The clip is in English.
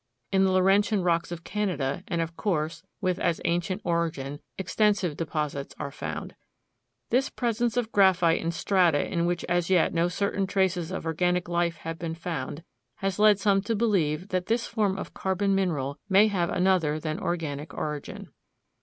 In the Laurentian rocks of Canada, and of course with as ancient origin, extensive deposits are found. This presence of graphite in strata in which as yet no certain traces of organic life have been found has led some to believe that this form of carbon mineral may have another than organic origin.